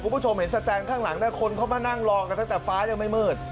คุณผู้ชมเห็นสแตนข้างหลังนะคนเขามานั่งรอกันตั้งแต่ฟ้ายังไม่มืด